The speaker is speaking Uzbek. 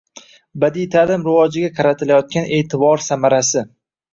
Badiiy ta’lim rivojiga qaratilayotgan e’tibor samarasi